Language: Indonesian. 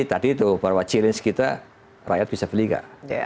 tadi itu bahwa challenge kita rakyat bisa beli nggak